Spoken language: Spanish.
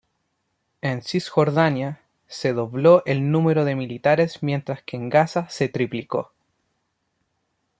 En Cisjordania se dobló el número de militares mientras que en Gaza se triplicó.